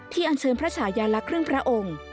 ที่อันเชิงพระฉายาลักษมณ์เครื่องพระองค์